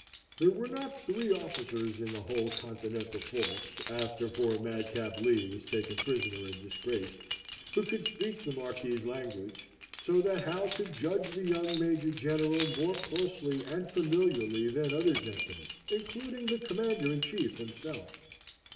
There were not three officers in the whole Continental force (after poor madcap Lee was taken prisoner and disgraced) who could speak the Marquis's language, so that Hal could judge the young Major General more closely and familiarly than other gentlemen, including the Commander in Chief himself.